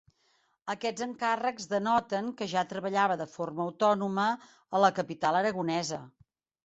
Aquests encàrrecs denoten que ja treballava de forma autònoma a la capital aragonesa.